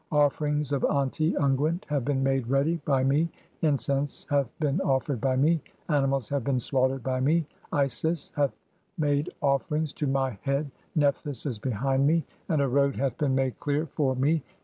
Offerings of anli unguent have been made ready "by me, incense hath been offered by me, [animals have] been "slaughtered (6) by me, Isis hath made offerings to my head, "Nephthys is behind me, and a road hath been made clear for "me.